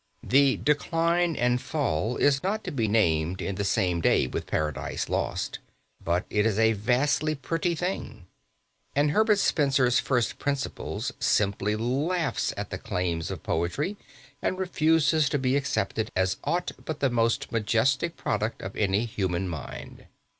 "The Decline and Fall" is not to be named in the same day with "Paradise Lost," but it is a vastly pretty thing; and Herbert Spencer's "First Principles" simply laughs at the claims of poetry and refuses to be accepted as aught but the most majestic product of any human mind.